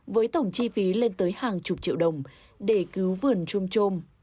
với tổng chi phí lên tới hàng chục triệu đồng để cứu vườn trôm trôm